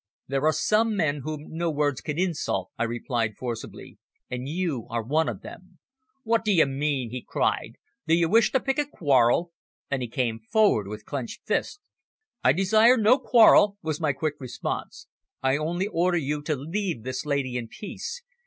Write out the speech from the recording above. "There are some men whom no words can insult," I replied forcibly. "And you are one of them." "What do you mean?" he cried. "Do you wish to pick a quarrel?" and he came forward with clenched fists. "I desire no quarrel," was my quick response. "I only order you to leave this lady in peace.